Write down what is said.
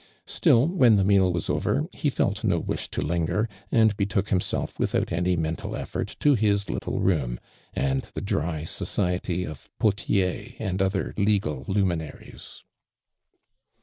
Still, wifehi the mertl wa.s over, he felt nb wish to linger, and betook himself without any nieiital effort to his little room, and the dry society of I'othier and otliei leg.al luminaries.